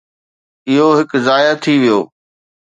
اهو هڪ ضايع ٿي ويو.